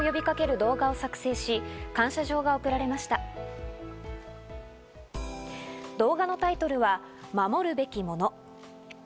動画のタイトルは『守るべきもの』。